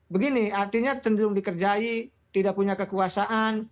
begini artinya cenderung dikerjai tidak punya kekuasaan